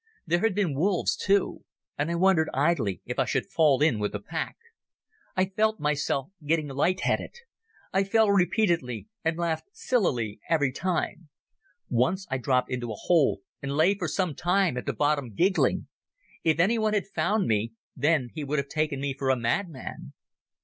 There had been wolves, too, and I wondered idly if I should fall in with a pack. I felt myself getting light headed. I fell repeatedly and laughed sillily every time. Once I dropped into a hole and lay for some time at the bottom giggling. If anyone had found me then he would have taken me for a madman.